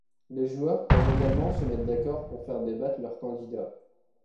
Les joueurs peuvent également se mettre d’accord pour faire débattre leurs candidats.